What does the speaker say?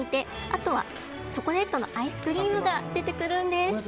あとはチョコレートのアイスクリームが出てくるんです。